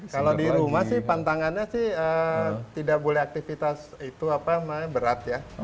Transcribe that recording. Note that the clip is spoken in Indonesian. kalau di rumah sih pantangannya sih tidak boleh aktivitas itu apa namanya berat ya